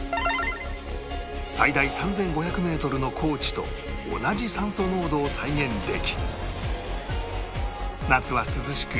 最大３５００メートルの高地と同じ酸素濃度を再現でき夏は涼しく